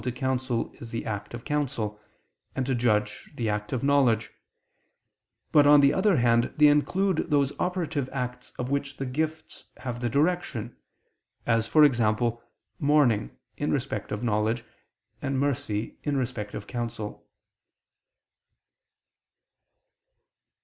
to counsel is the act of counsel, and to judge, the act of knowledge: but, on the other hand, they include those operative acts of which the gifts have the direction, as, e.g. mourning in respect of knowledge, and mercy in respect of counsel.